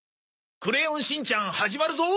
『クレヨンしんちゃん』始まるぞ。